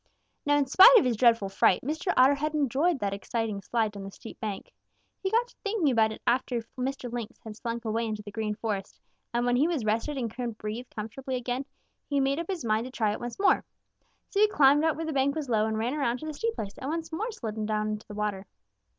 "Now in spite of his dreadful fright, Mr. Otter had enjoyed that exciting slide down the steep bank. He got to thinking about it after Mr. Lynx had slunk away into the Green Forest, and when he was rested and could breathe comfortably again, he made up his mind to try it once more. So he climbed out where the bank was low and ran around to the steep place and once more slid down into the water.